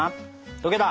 溶けた！